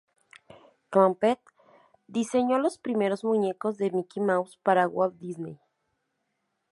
Clampett diseñó los primeros muñecos de Mickey Mouse para Walt Disney.